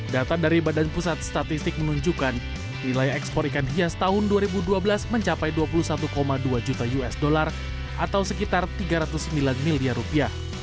data dari badan pusat statistik menunjukkan nilai ekspor ikan hias tahun dua ribu dua belas mencapai dua puluh satu dua juta usd atau sekitar tiga ratus sembilan miliar rupiah